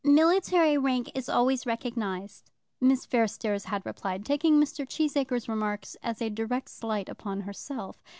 "Military rank is always recognised," Miss Fairstairs had replied, taking Mr. Cheesacre's remarks as a direct slight upon herself.